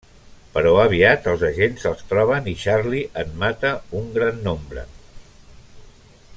Però aviat els agents els troben i Charlie en mata un gran nombre.